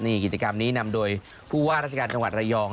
นี่กิจกรรมนี้นำโดยผู้ว่าราชการจังหวัดระยอง